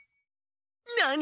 何？